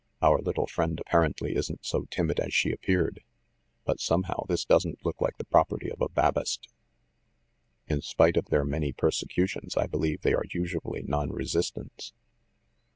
Our little friend apparently isn't so timid as she appeared. But, somehow, this doesn't look like the property of a Babist. In spite of their many persecutions, I believe they are usually non resistants.